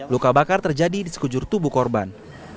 luka bakar terjadi di sekujur tubuh korban